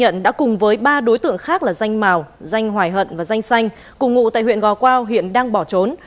nhật đã cùng với ba đối tượng khác là danh màu danh hoài hận và danh xanh cùng ngụ tại huyện gò quao hiện đang bỏ trốn